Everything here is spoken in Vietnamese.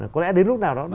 có lẽ đến lúc nào đó